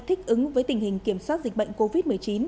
thích ứng với tình hình kiểm soát dịch bệnh covid một mươi chín